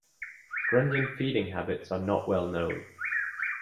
Grunion feeding habits are not well known.